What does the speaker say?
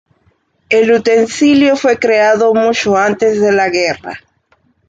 El utensilio fue creado mucho antes de la guerra.